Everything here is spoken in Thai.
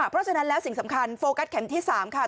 เพราะฉะนั้นแล้วสิ่งสำคัญโฟกัสเข็มที่๓ค่ะ